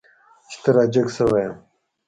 چې ته را جګ شوی یې.